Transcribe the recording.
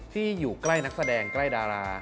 ที่อยู่ใกล้นักแสดงใกล้ดารา